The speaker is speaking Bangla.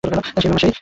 সেই মামা সেই!